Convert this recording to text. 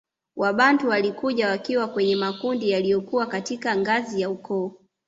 Wabantu walikuja wakiwa kwenye makundi yaliyokuwa katika ngazi ya ukoo